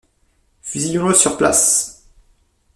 Fusillons-le sur place.